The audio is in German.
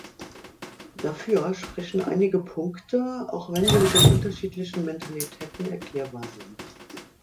Dafür sprechen einige Punkte, auch wenn sie mit den unterschiedlichen Mentalitäten erklärbar sind.